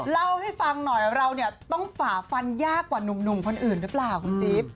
เราต้องฝาฟันยากกว่านุ่งคนอื่นรึเปล่าคุณจิ๊บ